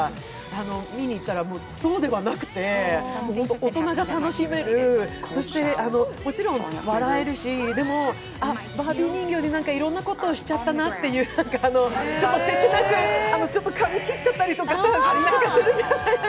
見にいったらそうではなくて、ホント大人が楽しめる、そして、もちろん笑えるしでも、あっ、バービー人形でいろんなことしちゃったなっていう、ちょっと切なく、ちょっと髪斬っちゃったりとか。